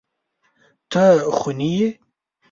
ته خوني يې.